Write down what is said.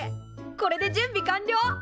これで準備完了！